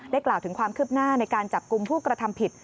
กล่าวถึงความคืบหน้าในการจับกลุ่มผู้กระทำผิด